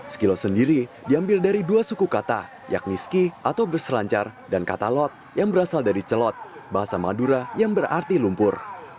skilo sendiri diambil dari dua suku kata yakni ski atau berselancar dan katalot yang berasal dari celot bahasa madura yang berarti lumpur